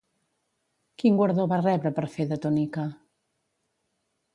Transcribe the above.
Quin guardó va rebre per fer de Tonica?